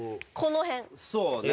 そうね。